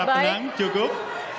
harap tenang cukup